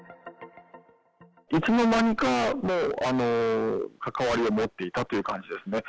いつのまにか関わりを持っていたという感じですね。